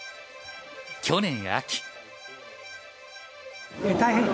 去年秋。